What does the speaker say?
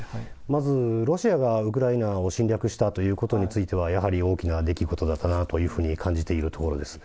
まずロシアがウクライナを侵略したということについては、やはり大きな出来事だったなというふうに感じているところです。